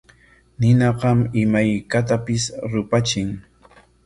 Ninaqam imaykatapis rupachin.